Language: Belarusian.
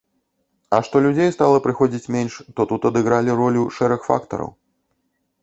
А што людзей стала прыходзіць менш, то тут адыгралі ролю шэраг фактараў.